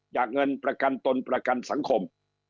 เงินประกันตนประกันสังคม